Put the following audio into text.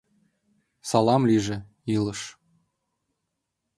Салам лийже, илыш!..